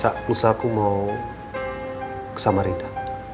sa'lus aku mau ke semarinda